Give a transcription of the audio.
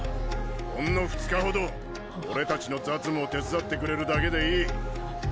ほんの２日ほど俺たちの雑務を手伝ってくれるだけでいい。